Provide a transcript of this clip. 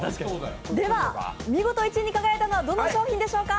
では見事１位に輝いたのは、どの商品でしょうか。